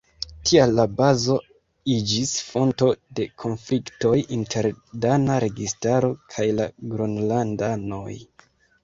Tial la bazo iĝis fonto de konfliktoj inter dana registaro kaj la Gronlandanoj.